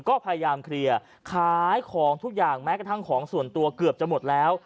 ก็พยายามเคลียร์ขายของทุกอย่างแม้กระทั่งของส่วนตัวเกือบจะหมดแล้ว